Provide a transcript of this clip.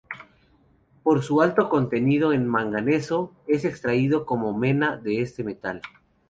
Por su alto contenido en manganeso es extraído como mena de este metal.